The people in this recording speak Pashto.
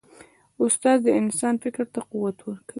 استاد د انسان فکر ته قوت ورکوي.